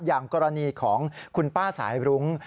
อย่างกรณีของคุณป้าสายรุ้ง